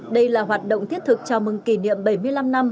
đây là hoạt động thiết thực chào mừng kỷ niệm bảy mươi năm năm